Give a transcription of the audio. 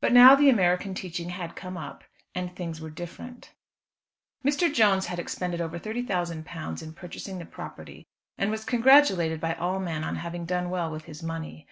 But now the American teaching had come up, and things were different. Mr. Jones had expended over £30,000 in purchasing the property, and was congratulated by all men on having done well with his money.